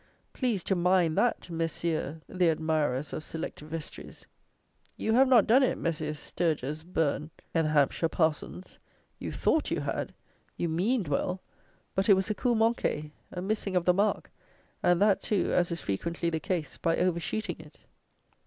Please to mind that, Messieurs the admirers of select vestries! You have not done it, Messieurs Sturges Bourne and the Hampshire Parsons! You thought you had! You meaned well; but it was a coup manqué, a missing of the mark, and that, too, as is frequently the case, by over shooting it.